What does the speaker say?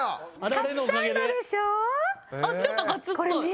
カツサンドでしょ？